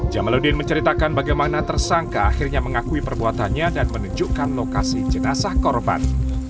jamaludin menceritakan bagaimana tersangka akhirnya mengakui perbuatannya dan menunjukkan lokasi jenazah korban